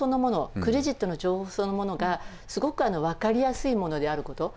クレジットの情報そのものがすごく分かりやすいものであること。